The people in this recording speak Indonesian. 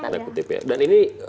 dan ini disediakan